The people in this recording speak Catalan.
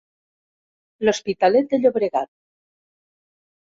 L'Hospitalet de Llobregat.